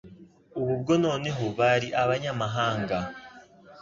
ubu bwo noneho bari abanyamahanga.